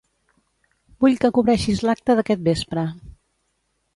Vull que cobreixis l'acte d'aquest vespre.